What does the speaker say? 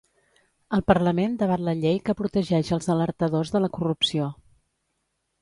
El parlament debat la llei que protegeix els alertadors de la corrupció.